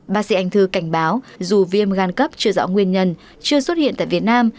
bác sĩ anh thư cảnh báo dù viêm gan cấp chưa rõ nguyên nhân chưa xuất hiện tại việt nam